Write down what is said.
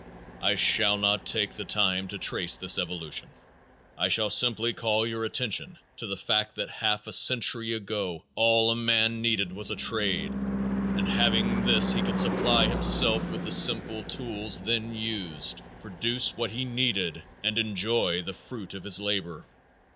I shall not take the time to trace this evolution. I shall simply call your attention to the fact that half a century ago all a man needed was a trade and having this he could supply himself with the simple tools then used, produce what he needed and enjoy the fruit of his labor.